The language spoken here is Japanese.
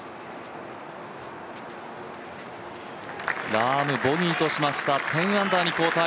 ラーム、ボギーとしました１０アンダーに後退。